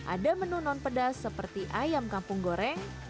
ada menu non pedas seperti ayam kampung goreng